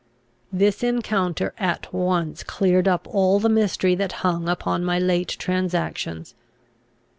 This encounter at once cleared up all the mystery that hung upon my late transactions.